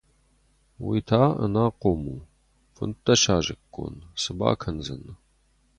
Уый та ӕнахъом у, фынддӕсазыккон, цы бакӕндзӕн!